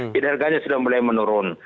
jadi harganya sudah mulai menurun